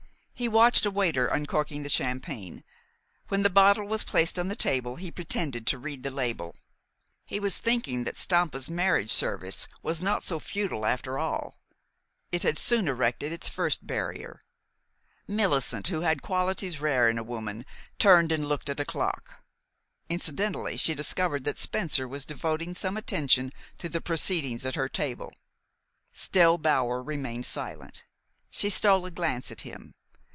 He watched a waiter uncorking the champagne. When the bottle was placed on the table he pretended to read the label. He was thinking that Stampa's marriage service was not so futile, after all. It had soon erected its first barrier. Millicent, who had qualities rare in a woman, turned and looked at a clock. Incidentally, she discovered that Spencer was devoting some attention to the proceedings at her table. Still Bower remained silent. She stole a glance at him.